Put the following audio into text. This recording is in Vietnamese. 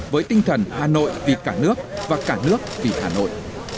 với tinh thần hà nội vì cả nước và cả nước vì hà nội